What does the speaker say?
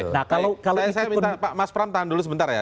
saya minta pak mas pram tahan dulu sebentar ya